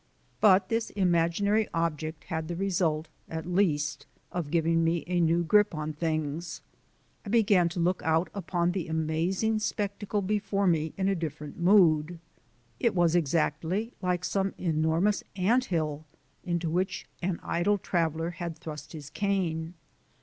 But this imaginary object had the result, at least, of giving me a new grip on things. I began to look out upon the amazing spectacle before me in a different mood. It was exactly like some enormous anthill into which an idle traveller had thrust his cane.